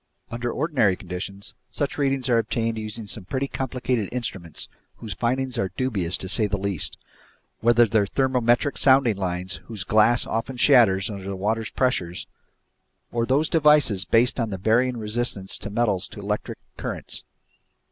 Under ordinary conditions, such readings are obtained using some pretty complicated instruments whose findings are dubious to say the least, whether they're thermometric sounding lines, whose glass often shatters under the water's pressure, or those devices based on the varying resistance of metals to electric currents.